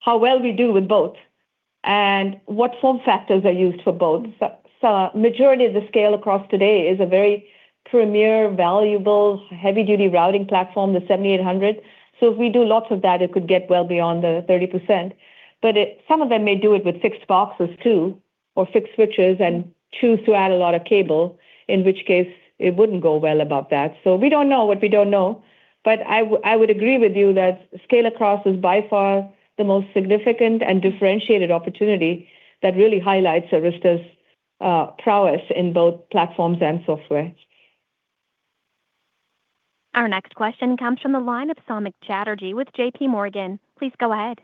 how well we do with both and what form factors are used for both. A majority of the scale-across today is a very premier, valuable, heavy-duty routing platform, the 7800. If we do lots of that, it could get well beyond the 30%. Some of them may do it with fixed boxes too, or fixed switches, and choose to add a lot of cable, in which case it wouldn't go well above that. We don't know what we don't know. I would agree with you that scale-across is by far the most significant and differentiated opportunity that really highlights Arista's prowess in both platforms and software. Our next question comes from the line of Samik Chatterjee with JPMorgan. Please go ahead.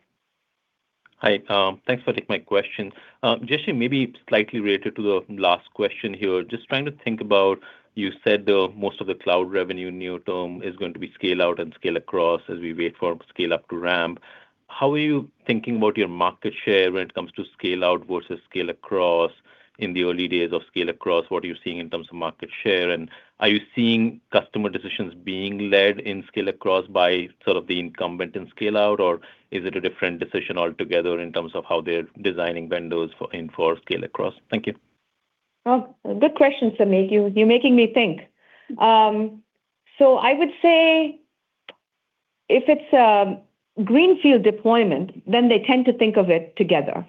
Hi. Thanks for taking my question. Jayshree, maybe slightly related to the last question here. Just trying to think about, you said, most of the cloud revenue near term is going to be scale-out and scale-across as we wait for scale-up to ramp. How are you thinking about your market share when it comes to scale-out versus scale-across in the early days of scale-across? What are you seeing in terms of market share? And are you seeing customer decisions being led in scale-across by sort of the incumbent in scale-out, or is it a different decision altogether in terms of how they're designing wins for scale-across? Thank you. Oh, good question, Samik. You're making me think. So I would say if it's a greenfield deployment, then they tend to think of it together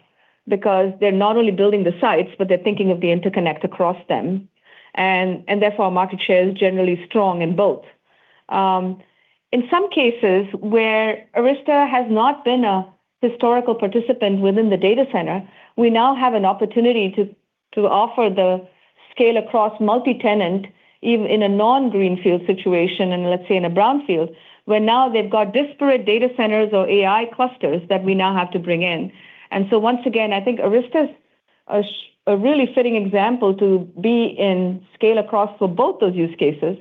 because they're not only building the sites, but they're thinking of the interconnect across them. And therefore, our market share is generally strong in both. In some cases where Arista has not been a historical participant within the data center, we now have an opportunity to offer the scale across multi-tenant, even in a non-greenfield situation, and let's say in a brownfield, where now they've got disparate data centers or AI clusters that we now have to bring in. Once again, I think Arista's a really fitting example to be in scale across for both those use cases,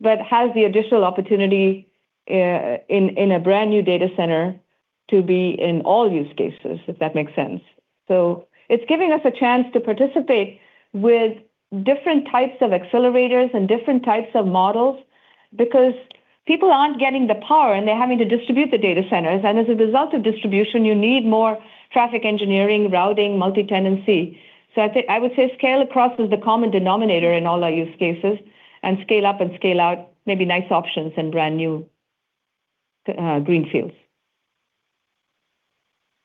but has the additional opportunity in a brand-new data center to be in all use cases, if that makes sense. It's giving us a chance to participate with different types of accelerators and different types of models because people aren't getting the power, and they're having to distribute the data centers. As a result of distribution, you need more traffic engineering, routing, multi-tenancy. I would say scale across is the common denominator in all our use cases, and scale up and scale out may be nice options in brand-new greenfields.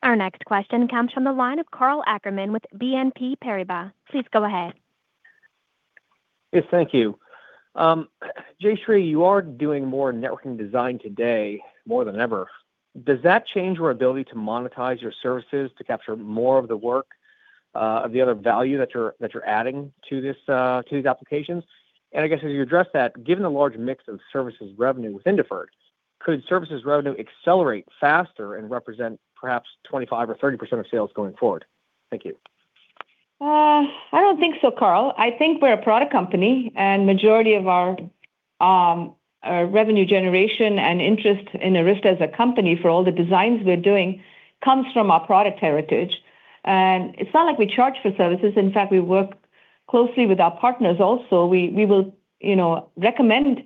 Our next question comes from the line of Karl Ackerman with BNP Paribas. Please go ahead. Yes, thank you. Jayshree, you are doing more networking design today more than ever. Does that change your ability to monetize your services to capture more of the work, of the other value that you're adding to this, to these applications? I guess as you address that, given the large mix of services revenue within deferred, could services revenue accelerate faster and represent perhaps 25% or 30% of sales going forward? Thank you. I don't think so, Karl. I think we're a product company, and majority of our revenue generation and interest in Arista as a company for all the designs we're doing comes from our product heritage. It's not like we charge for services. In fact, we work closely with our partners also. We will, you know, recommend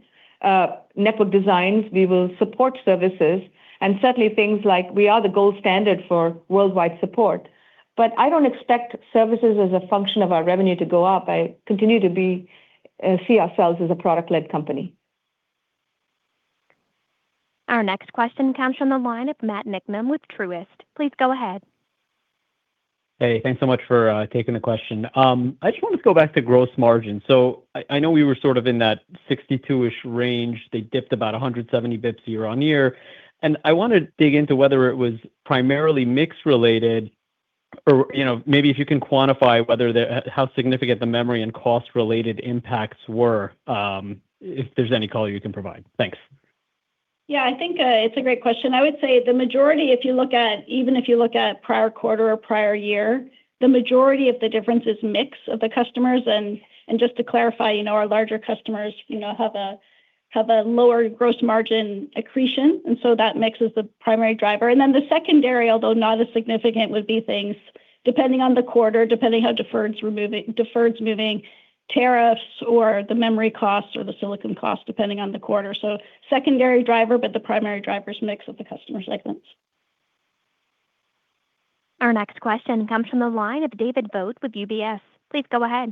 network designs. We will support services and certainly things like we are the gold standard for worldwide support. But I don't expect services as a function of our revenue to go up. I continue to see ourselves as a product-led company. Our next question comes from the line of Matt Niknam with Truist. Please go ahead. Hey, thanks so much for taking the question. I just wanted to go back to gross margin. I know we were sort of in that 62-ish range. They dipped about 170 basis points year-over-year. I want to dig into whether it was primarily mix related or, you know, maybe if you can quantify how significant the memory and cost-related impacts were, if there's any color you can provide. Thanks. Yeah. I think it's a great question. I would say the majority, even if you look at prior quarter or prior year, the majority of the difference is mix of the customers. And just to clarify, you know, our larger customers, you know, have a lower gross margin accretion, and so that mix is the primary driver. Then the secondary, although not as significant, would be things depending on the quarter, depending how deferred's moving tariffs or the memory cost or the silicon cost, depending on the quarter. Secondary driver, but the primary driver is mix of the customer segments. Our next question comes from the line of David Vogt with UBS. Please go ahead.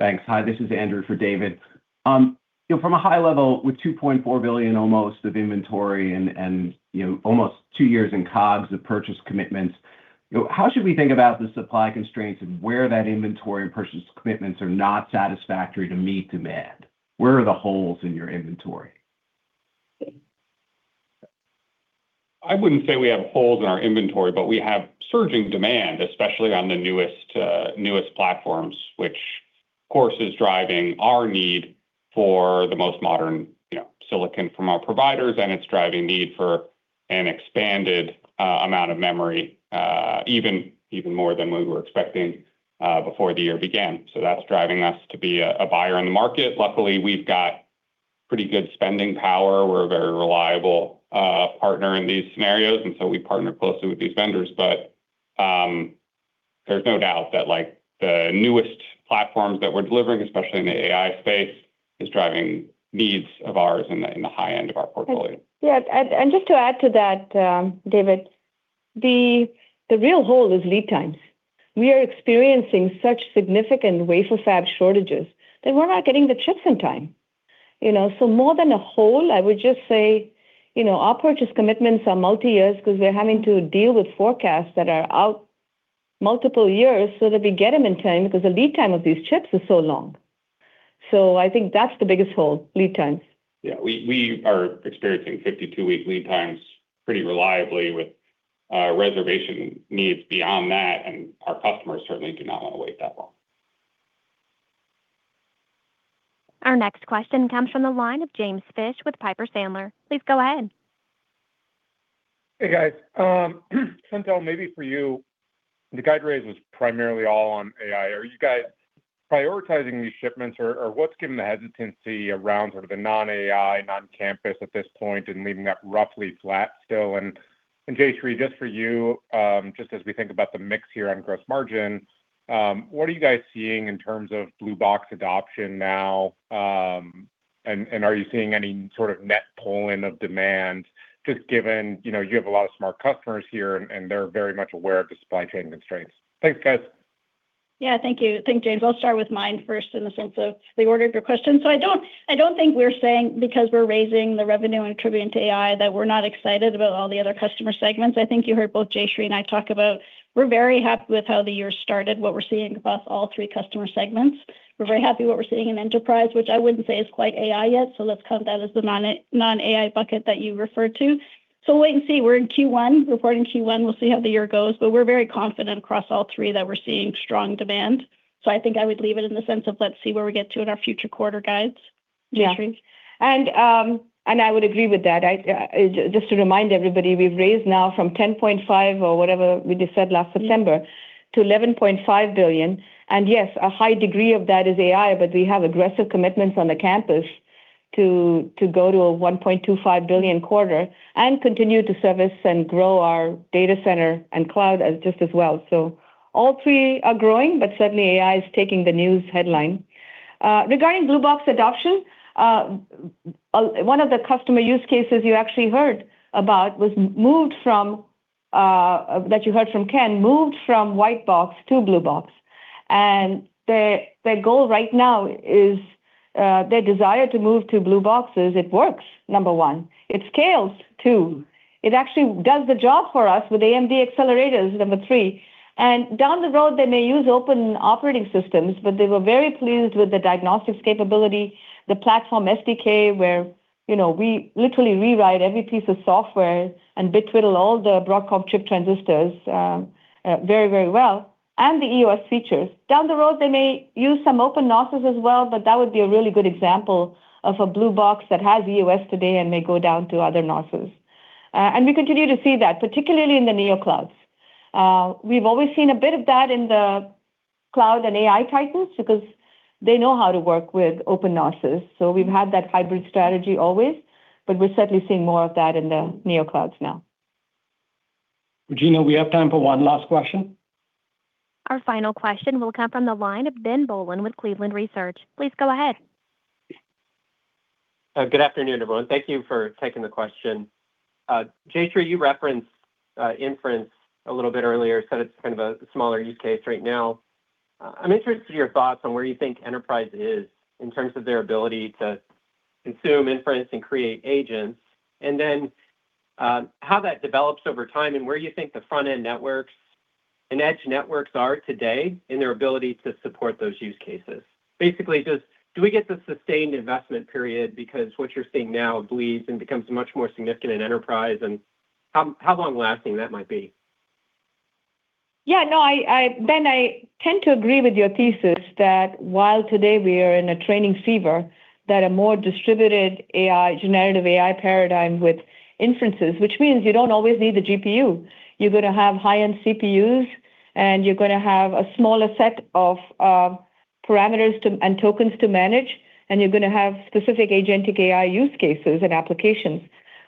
Thanks. Hi, this is Andrew for David. you know, from a high level, with $2.4 billion almost of inventory and, you know, almost two years in COGS of purchase commitments, you know, how should we think about the supply constraints and where that inventory and purchase commitments are not satisfactory to meet demand? Where are the holes in your inventory? I wouldn't say we have holes in our inventory, but we have surging demand, especially on the newest platforms, which of course is driving our need for the most modern, you know, silicon from our providers, and it's driving need for an expanded amount of memory, even more than we were expecting before the year began. That's driving us to be a buyer in the market. Luckily, we've got pretty good spending power. We're a very reliable partner in these scenarios, and so we partner closely with these vendors. There's no doubt that, like, the newest platforms that we're delivering, especially in the AI space, is driving needs of ours in the high end of our portfolio. Yes. Just to add to that, David, the real hole is lead times. We are experiencing such significant wafer fab shortages that we're not getting the chips in time. You know. More than a hole, I would just say, you know, our purchase commitments are multi-years because we're having to deal with forecasts that are out multiple years so that we get them in time because the lead time of these chips is so long. I think that's the biggest hole, lead times. Yeah. We are experiencing 52-week lead times pretty reliably with reservation needs beyond that, and our customers certainly do not want to wait that long. Our next question comes from the line of James Fish with Piper Sandler. Please go ahead. Hey, guys. Chantelle, maybe for you, the guide raise was primarily all on AI. Are you guys prioritizing these shipments? Or what's giving the hesitancy around sort of the non-AI, non-campus at this point and leaving that roughly flat still? Jayshree, just for you, just as we think about the mix here on gross margin, what are you guys seeing in terms of blue box adoption now? Are you seeing any sort of net pull-in of demand just given, you know, you have a lot of smart customers here, and they're very much aware of the supply chain constraints. Thanks, guys. Yeah. Thank you. Thank you, James. I'll start with mine first in the sense of the order of your question. I don't think we're saying because we're raising the revenue and attributing to AI that we're not excited about all the other customer segments. I think you heard both Jayshree and I talk about we're very happy with how the year started, what we're seeing across all three customer segments. We're very happy what we're seeing in enterprise, which I wouldn't say is quite AI yet, so let's count that as the non-AI bucket that you referred to. We'll wait and see. We're in Q1, reporting Q1. We'll see how the year goes. We're very confident across all three that we're seeing strong demand. I think I would leave it in the sense of let's see where we get to in our future quarter guides. Jayshree? Yeah. I would agree with that. I just to remind everybody, we've raised now from $10.5 billion or whatever we just said last September to $11.5 billion. Yes, a high degree of that is AI, but we have aggressive commitments on the campus to go to a $1.25 billion quarter and continue to service and grow our data center and cloud as just as well. All three are growing, but certainly AI is taking the news headline. Regarding blue box adoption, one of the customer use cases you actually heard about was moved from that you heard from Ken, moved from white box to blue box. Their goal right now is their desire to move to blue box is it works, number one. It scales, two. It actually does the job for us with AMD accelerators, number three. Down the road, they may use open operating systems, but they were very pleased with the diagnostics capability, the platform SDK, where, you know, we literally rewrite every piece of software and bit-twiddle all the Broadcom chip transistors, very, very well, and the EOS features. Down the road, they may use some open NOSes as well, but that would be a really good example of a blue box that has EOS today and may go down to other NOSes. And we continue to see that, particularly in the NeoCloud clouds. We've always seen a bit of that in the cloud and AI Titans because they know how to work with open NOSes. We've had that hybrid strategy always, but we're certainly seeing more of that in the NeoCloud clouds now. Regina, we have time for one last question. Our final question will come from the line of Ben Bollin with Cleveland Research. Please go ahead. Good afternoon, everyone. Thank you for taking the question. Jayshree, you referenced inference a little bit earlier, said it's kind of a smaller use case right now. I'm interested in your thoughts on where you think enterprise is in terms of their ability to consume inference and create agents, and then, how that develops over time and where you think the front-end networks and edge networks are today in their ability to support those use cases. Basically, just do we get the sustained investment period because what you're seeing now bleeds and becomes much more significant in enterprise and how long-lasting that might be? Yeah, no, Ben, I tend to agree with your thesis that while today we are in a training fever, that a more distributed AI, generative AI paradigm with inferences, which means you don't always need the GPU. You're gonna have high-end CPUs, and you're gonna have a smaller set of parameters to, and tokens to manage, and you're gonna have specific agentic AI use cases and applications.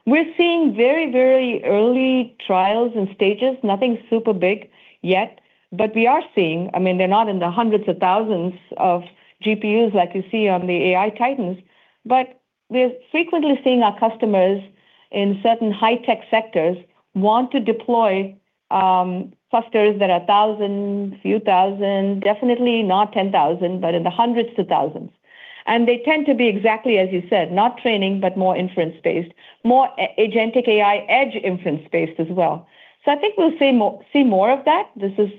We're seeing very, very early trials and stages. Nothing super big yet, but we are seeing. I mean, they're not in the hundreds of thousands of GPUs like you see on the AI Titans, but we're frequently seeing our customers in certain high-tech sectors want to deploy clusters that are 1,000, few thousand, definitely not 10,000, but in the hundreds to thousands. They tend to be exactly as you said, not training, but more inference-based, more a-agentic AI edge inference-based as well. I think we'll see more of that. This is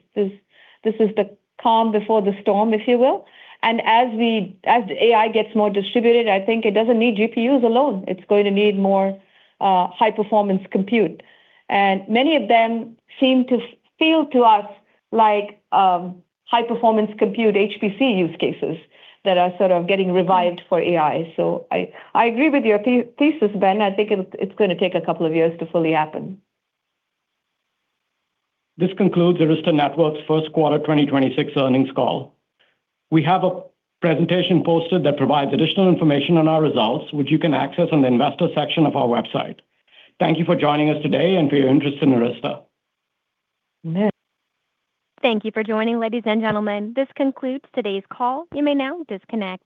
the calm before the storm, if you will. As AI gets more distributed, I think it doesn't need GPUs alone. It's going to need more high-performance compute. Many of them seem to feel to us like high-performance compute, HPC use cases that are sort of getting revived for AI. I agree with your thesis, Ben. I think it's gonna take a couple of years to fully happen. This concludes Arista Networks' first quarter 2026 earnings call. We have a presentation posted that provides additional information on our results, which you can access on the investor section of our website. Thank you for joining us today and for your interest in Arista. Thank you for joining, ladies and gentlemen. This concludes today's call. You may now disconnect.